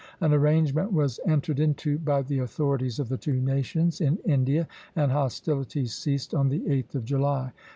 An arrangement was entered into by the authorities of the two nations in India, and hostilities ceased on the 8th of July.